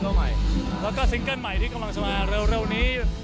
แล้วก็ซิงเกิ้ลใหม่ที่กำลังจะมาเร็วนี้